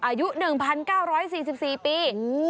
อายุ๑๙๔๔ปี